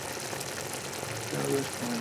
ভাঁড়ামি করবার সময় আমার নেই।